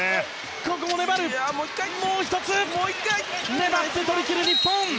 粘ってとりきる日本！